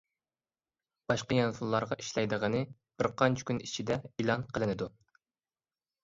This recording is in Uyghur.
باشقا يانفونلارغا ئىشلەيدىغىنى بىر قانچە كۈن ئىچىدە ئېلان قىلىنىدۇ.